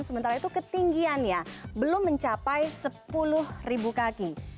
sementara itu ketinggiannya belum mencapai sepuluh kaki